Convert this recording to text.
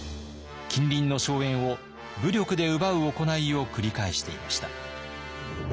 近隣の荘園を武力で奪う行いを繰り返していました。